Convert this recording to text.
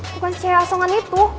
bukan cewek asongan itu